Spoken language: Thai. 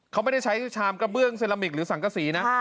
เขาไม่ได้ใช้ชามกระเบื้องเซรามิกหรือสังกษีนะ